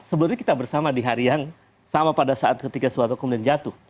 sebetulnya kita bersama di hari yang sama pada saat ketika soeharto kemudian jatuh